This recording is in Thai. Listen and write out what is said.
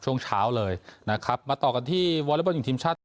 ช่วงเช้าเลยนะครับมาต่อกันที่วอลเลเบิร์ตยุ่งทีมชาติ